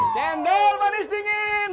cendol manis dingin